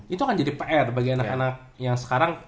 itu akan jadi pr bagi anak anak yang sekarang